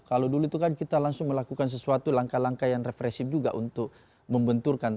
kalau dulu itu kan kita langsung melakukan sesuatu langkah langkah yang represif juga untuk membenturkan